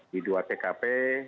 di dua tkp